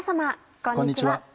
こんにちは。